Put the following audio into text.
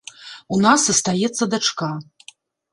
У нас астаецца дачка.